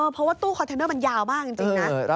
เพราะว่าตู้คอนเทนเนอร์มันยาวมากจริงนะ